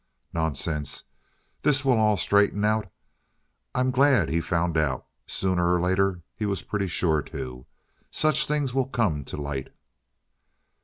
"Nonsense! This will all straighten out. I'm glad he's found out. Sooner or later he was pretty sure to. Such things will come to light."